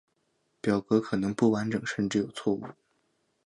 表格可能不完整甚至有错误。